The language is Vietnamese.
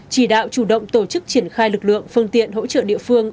chỉ đạo chủ động tổ chức triển khai lực lượng phương tiện hỗ trợ địa phương